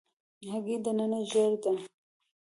هګۍ دننه ژېړه ده.